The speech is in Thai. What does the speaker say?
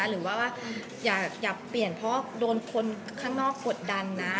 หรือว่าอย่าเปลี่ยนเพราะโดนคนข้างนอกกดดันนะ